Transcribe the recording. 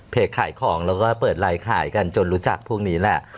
ขายของแล้วก็เปิดไลน์ขายกันจนรู้จักพวกนี้แหละ